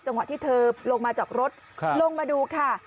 ที่เธอลงมาจากรถลงมาดูค่ะ